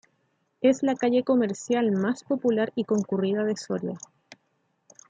Es la calle comercial más popular y concurrida de Soria.